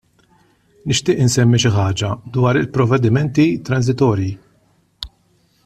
Nixtieq insemmi xi ħaġa dwar il-provvedimenti transitorji.